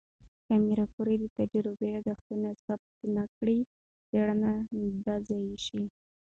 که ماري کوري د تجربې یادښتونه ثبت نه کړي، څېړنه به ضایع شي.